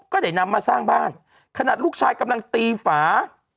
ก็ได้นำมาสร้างบ้านขนาดลูกชายกำลังตีฝา